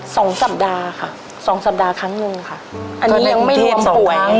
สองสัปดาห์ค่ะสองสัปดาห์ครั้งหนึ่งค่ะอันนี้ยังไม่รวมป่วย